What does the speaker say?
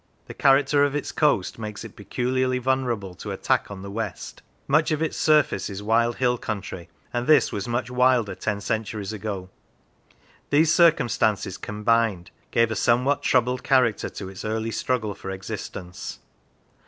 The character of its coast makes it peculiarly vulnerable to attack on the west. Much of its surface is wild hill country, and this was much wilder ten centuries ago. These circumstances combined gave a somewhat troubled character to its early struggle for existence.